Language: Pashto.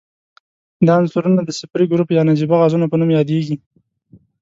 دا عنصرونه د صفري ګروپ یا نجیبه غازونو په نوم یادیږي.